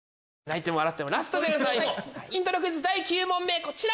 イントロクイズ第９問こちら！